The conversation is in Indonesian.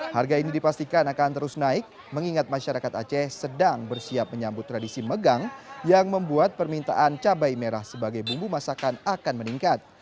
harga ini dipastikan akan terus naik mengingat masyarakat aceh sedang bersiap menyambut tradisi megang yang membuat permintaan cabai merah sebagai bumbu masakan akan meningkat